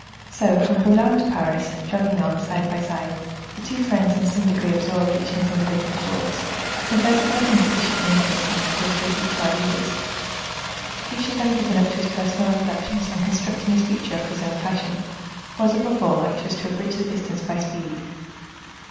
So, from Boulogne to Paris, jogging on, side by side, the two friends, in some degree absorbed each in his individual thoughts, conversed of nothing sufficiently interesting for us to repeat to our readers. Each of them given up to his personal reflections, and constructing his future after his own fashion, was, above all, anxious to abridge the distance by speed.